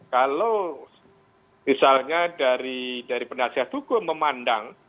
kalau misalnya dari penasihat hukum memandang